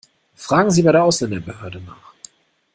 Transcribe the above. Fragen Sie bei der Ausländerbehörde nach!